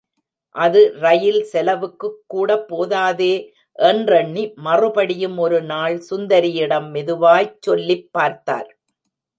அது ரயில் செலவுக்குக் கூடப் போதாதே என்றெண்ணி மறுபடியும் ஒரு நாள் சுந்தரியிடம் மெதுவாய்ச் சொல்லிப் பார்த்தார்.